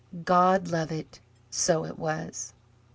God love it, so it was!